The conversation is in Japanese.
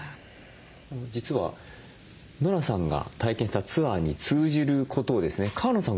実はノラさんが体験したツアーに通じることをですね川野さん